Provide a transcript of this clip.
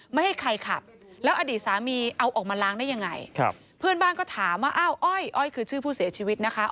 ไม่ให้ใครขับแล้วอดีตสามีเอาออกมาล้างได้ยังไงครับเพื่อนบ้านก็ถามว่าอ้าวอ้อยอ้อยคือชื่อผู้เสียชีวิตนะคะ